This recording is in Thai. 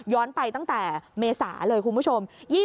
ไปตั้งแต่เมษาเลยคุณผู้ชม